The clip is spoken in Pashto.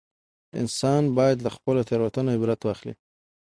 انسان باید له خپلو تېروتنو عبرت واخلي